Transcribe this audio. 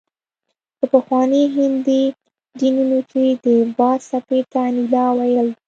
په پخواني هندي دینونو کې د باد څپې ته انیلا ویل